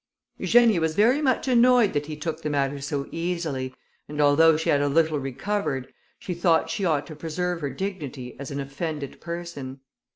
Eugenia was very much annoyed that he took the matter so easily; and although she had a little recovered, she thought she ought to preserve her dignity as an offended person.